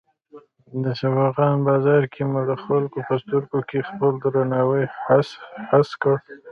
د شغنان بازار کې مو د خلکو په سترګو کې خپل درناوی حس کړ.